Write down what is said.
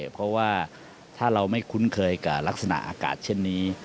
เพราะว่าถ้าเราไม่คุ้นเคยกับลักษณะอากาศเช่นนี้